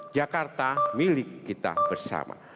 jakarta milik kita bersama